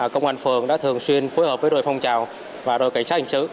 cơ quan phường đã thường xuyên phối hợp với đội phong trào và đội cảnh sát hành sứ